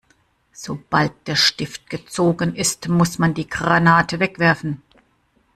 Sobald der Stift gezogen ist, muss man die Granate wegwerfen.